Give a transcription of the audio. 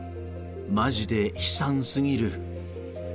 マジで悲惨すぎる。